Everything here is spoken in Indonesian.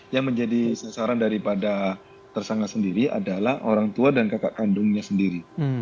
yang menjadi sasaran daripada tersangka sendiri adalah orang tua dan kakak kandungnya sendiri